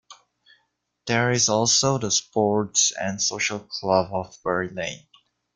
There is also the Sports and Social Club off Bury Lane.